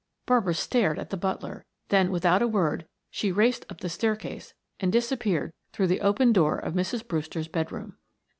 Barbara stared at the butler, then without a word she raced up the staircase and disappeared through the open door of Mrs. Brewster's bedroom.